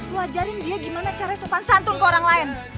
lo ajarin dia gimana cara sopan santun ke orang lain